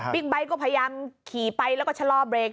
ไบท์ก็พยายามขี่ไปแล้วก็ชะลอเบรก